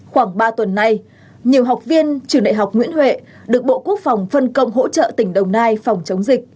khoảng ba tuần nay nhiều học viên trường đại học nguyễn huệ được bộ quốc phòng phân công hỗ trợ tỉnh đồng nai phòng chống dịch